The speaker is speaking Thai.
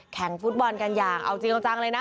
แข่งฟุตบอลกันอย่างเอาจริงเอาจังเลยนะ